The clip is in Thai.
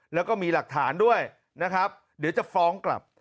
แล้วก็มีหลักฐานด้วยนะครับเดี๋ยวจะฟ้องกลับ